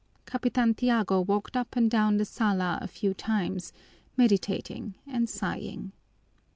Capitan Tiago walked up and down the sala a few times, meditating and sighing.